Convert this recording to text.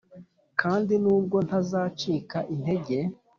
kandi nubwo ntazacika intege, -